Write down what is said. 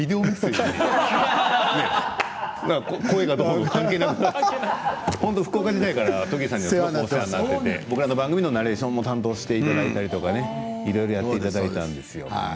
笑い声声がどうの関係なく福岡時代からＴＯＧＧＹさんにはお世話になっていて僕らの番組のナレーションも担当していただいたりいろいろやっていただいたんですよ。